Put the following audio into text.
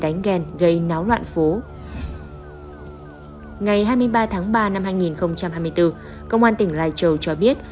công an tỉnh lai châu cho biết công an tỉnh lai châu cho biết